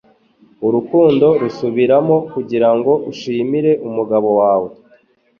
Urukundo rusubiramo kugirango ashimire umugabo wawe